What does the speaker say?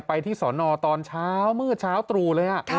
ไปที่สอนอตอนเช้ามืดเช้าตรู่เลย